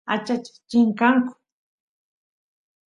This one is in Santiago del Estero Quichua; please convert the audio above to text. achachas chinkanku